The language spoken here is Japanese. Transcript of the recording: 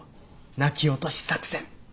泣き落とし作戦。